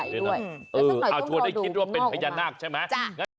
แล้วใหญ่ด้วยนะเออจริงได้คิดว่าเป็นพญานาคใช่ไหมงั้นจ้ะ